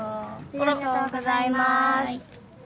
ありがとうございます。